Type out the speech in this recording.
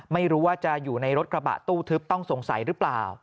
ไม่รู้ว่าจะอยู่ในรถกระบะตู้ทึบต้องสงสัยหรือเปล่า